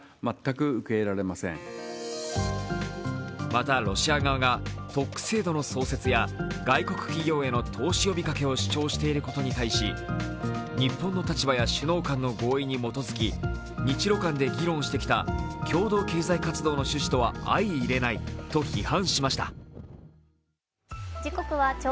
またロシア側が特区制度の創設や外国企業への投資呼びかけを主張していることに対し日本の立場や首脳間の合意に基づき、日ロ間で議論してきた共同経済活動の趣旨とは相いれないと批判しました。